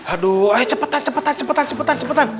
aduh ayo cepetan cepetan cepetan cepetan